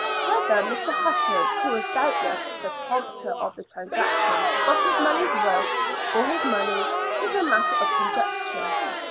Whether Mr. Hutton, who was doubtless the prompter of the transaction, got his money's worth for his money is a matter of conjecture.